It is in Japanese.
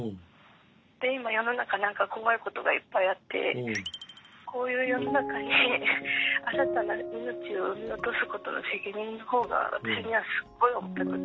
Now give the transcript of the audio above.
で今世の中何か怖いことがいっぱいあってこういう世の中に新たな命を産み落とすことの責任の方が私にはすっごい重たくって。